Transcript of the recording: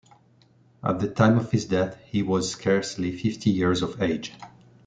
At the time of his death he was scarcely fifty years of age.